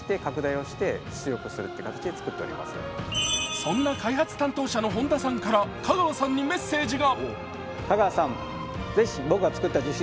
そんな開発担当者の誉田さんから、香川さんにメッセージが。